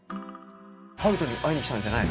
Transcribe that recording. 春斗に会いに来たんじゃない？